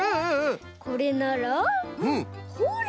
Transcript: これならほら！